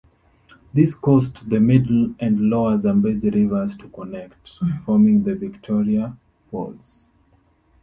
This caused the middle and lower Zambezi Rivers to connect, forming the Victoria Falls.